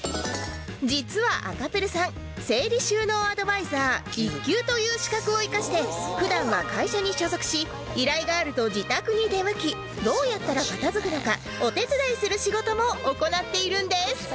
実は赤プルさん整理収納アドバイザー１級という資格を生かして普段は会社に所属し依頼があると自宅に出向きどうやったら片付くのかお手伝いする仕事も行っているんです